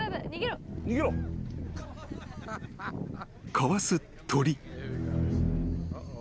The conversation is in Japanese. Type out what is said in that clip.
［かわす鳥］